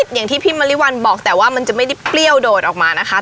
อย่างที่พี่มริวัลบอกแต่ว่ามันจะไม่ได้เปรี้ยวโดดออกมานะคะ